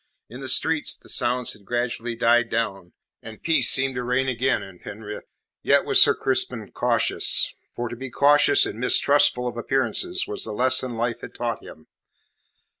In the streets the sounds had gradually died down, and peace seemed to reign again in Penrith. Yet was Sir Crispin cautious for to be cautious and mistrustful of appearances was the lesson life had taught him.